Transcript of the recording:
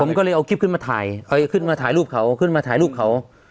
ผมก็เลยเอาคลิปขึ้นมาถ่ายเขาจะขึ้นมาถ่ายรูปเขาขึ้นมาถ่ายรูปเขา